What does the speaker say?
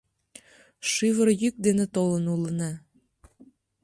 Шӱвыр йӱк ден толын улына.